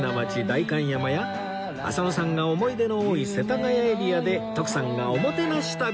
代官山や浅野さんが思い出の多い世田谷エリアで徳さんがおもてなし旅